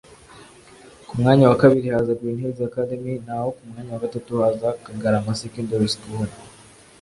ku mwanya wa kabiri haza Green Hills Academy naho ku mwanya wa gatatu haza Kagarama Secondary School